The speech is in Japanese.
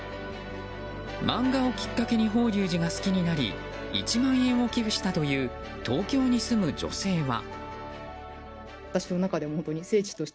漫画をきっかけに法隆寺が好きになり１万円を寄付したという東京に住む女性は。